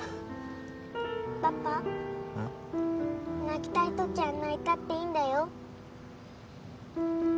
泣きたい時は泣いたっていいんだよ。